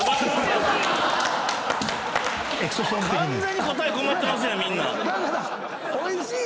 完全に答え困ってますやんみんな。